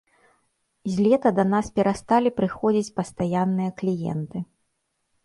З лета да нас перасталі прыходзіць пастаянныя кліенты.